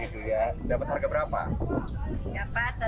dapat harga berapa